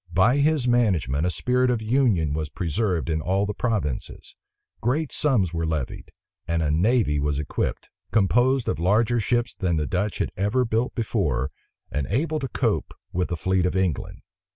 By his management a spirit of union was preserved in all the provinces; great sums were levied; and a navy was equipped, composed of larger ships than the Dutch had ever built before, and able to cope with the fleet of England.